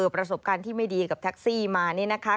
ประสบการณ์ที่ไม่ดีกับแท็กซี่มานี่นะคะ